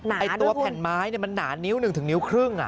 ไอตัวแผ่นไม้มันหนานิ้ว๑๑๕นิ้ว